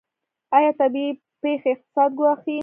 آیا طبیعي پیښې اقتصاد ګواښي؟